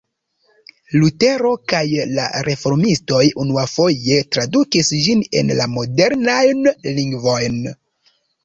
Lutero kaj la reformistoj unuafoje tradukis ĝin en la modernajn lingvojn.